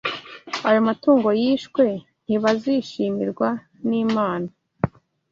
ayo matungo yishwe, ntibazishimirwa n’Imana